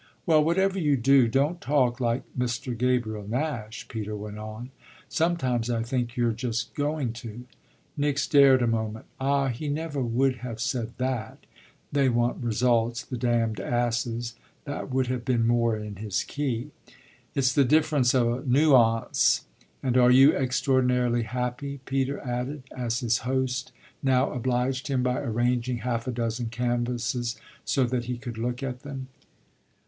"Well, whatever you do, don't talk like Mr. Gabriel Nash," Peter went on. "Sometimes I think you're just going to." Nick stared a moment. "Ah he never would have said that 'They want results, the damned asses' that would have been more in his key." "It's the difference of a nuance! And are you extraordinarily happy?" Peter added as his host now obliged him by arranging half a dozen canvases so that he could look at them.